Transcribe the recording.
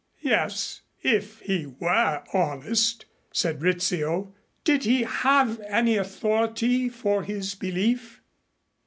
"Yes, if he were honest," said Rizzio. "Did he have any authority for his belief?"